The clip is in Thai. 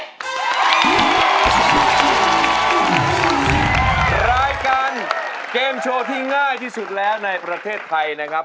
รายการเกมโชว์ที่ง่ายที่สุดแล้วในประเทศไทยนะครับ